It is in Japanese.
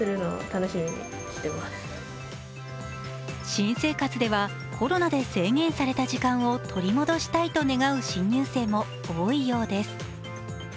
新生活では、コロナで制限された時間を取り戻したいと願う新入生も多いようです。